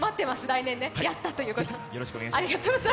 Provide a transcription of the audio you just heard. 来年、やったということを。